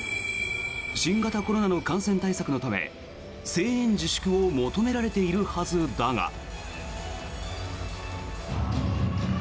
新型コロナの感染対策のため声援自粛を求められているはずだが。